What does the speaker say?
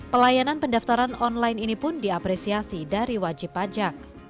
pelayanan pendaftaran online ini pun diapresiasi dari wajib pajak